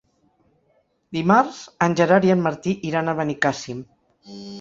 Dimarts en Gerard i en Martí iran a Benicàssim.